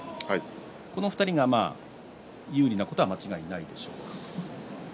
この２人が有利なことは間違いないでしょう。